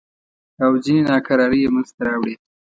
او ځینې ناکرارۍ یې منځته راوړې.